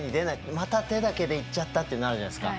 また手だけで行っちゃったっていうのあるじゃないですか。